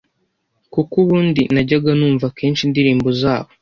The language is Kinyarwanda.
kuko ubundi najyaga numva kenshi indirimbo zabo